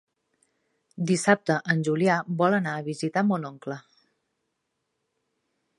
Dissabte en Julià vol anar a visitar mon oncle.